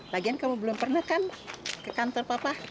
lagian kamu belum pernah kan ke kantor papa